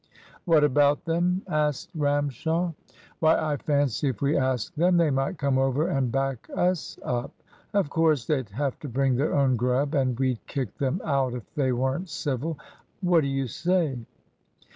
"What about them?" asked Ramshaw. "Why, I fancy if we asked them, they might come over and back us up. Of course they'd have to bring their own grub; and we'd kick them out if they weren't civil. What do you say?"